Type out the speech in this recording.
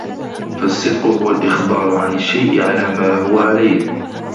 فَالصِّدْقُ هُوَ الْإِخْبَارُ عَنْ الشَّيْءِ عَلَى مَا هُوَ عَلَيْهِ